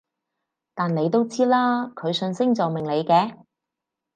但你都知啦，佢信星座命理嘅